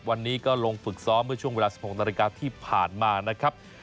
วันนี้ก็ลงฝึกซ้อมเมื่อช่วงเวลา๑๖นาฬิกาที่ผ่านมานะครับ